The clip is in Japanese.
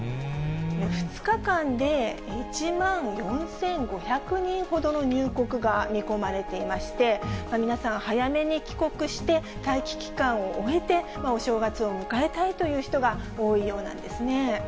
２日間で１万４５００人ほどの入国が見込まれていまして、皆さん、早めに帰国して、待機期間を終えて、お正月を迎えたいという人が多いようなんですね。